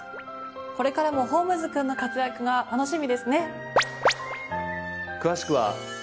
これからもホームズくんの活躍が楽しみですね。